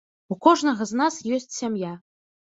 У кожнага з нас ёсць сям'я.